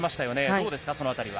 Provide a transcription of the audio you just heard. どうですか、その辺りは。